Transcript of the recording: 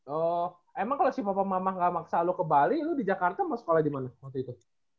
oh emang kalo si papa mama gak maksa lu ke bali lu di jakarta mau sekolah dimana waktu itu